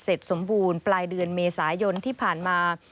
สมบูรณ์ปลายเดือนเมษายนที่ผ่านมา